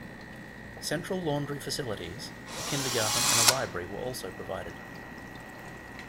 Central laundry facilities, a kindergarten and a library were also provided.